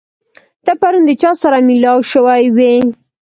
ته پرون د چا سره مېلاو شوی وې؟